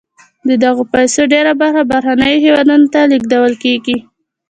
د دغه پیسو ډیره برخه بهرنیو هېوادونو ته لیږدول کیږي.